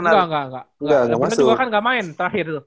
enggak enggak pernah juga kan gak main terakhir